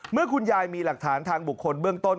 เมื่อคุณยายมีหลักฐานทางบุคคลเบื้องต้น